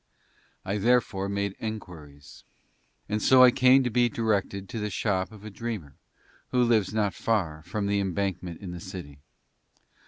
I therefore made enquiries. And so I came to be directed to the shop of a dreamer who lives not far from the Embankment in the City.